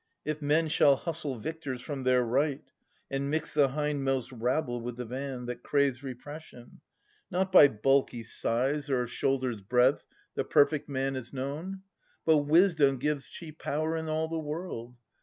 If men shall hustle victors from their right. And mix the hindmost rabble with the van. That craves repression. Not by bulky size. 96 Aias [1251 1282 Or shoulders' breadth, the perfect man is known ; But wisdom gives chief power in all the world.